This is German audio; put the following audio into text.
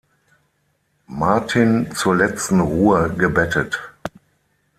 Martin zur letzten Ruhe gebettet.